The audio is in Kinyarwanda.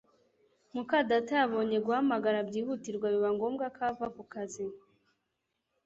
muka data yabonye guhamagara byihutirwa biba ngombwa ko ava ku kazi